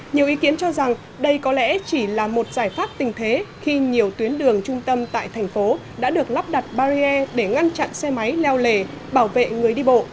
nhiều ý kiến cho rằng đây có lẽ chỉ là một giải pháp tình thế khi nhiều tuyến đường trung tâm tại thành phố đã được lắp đặt barrier để ngăn chặn xe máy leo lề bảo vệ người đi bộ